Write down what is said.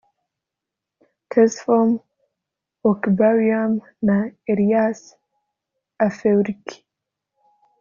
Tesfom Okubamariam na Elyas Afewerki